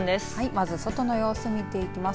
まず外の様子を見ていきます。